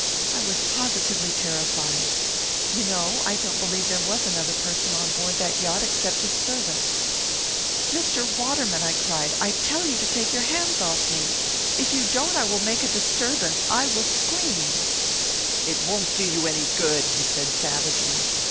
I was positively terrified. You know, I don't believe there was another person on board that yacht except his servants. "'Mr. Waterman,' I cried, 'I tell you to take your hands off me. If you don't, I will make a disturbance. I will scream.' "'It won't do you any good,' he said savagely.